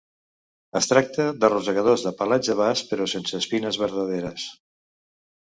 Es tracta de rosegadors de pelatge bast, però sense espines vertaderes.